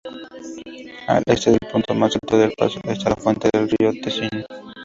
Al este del punto más alto del paso está la fuente del río Tesino.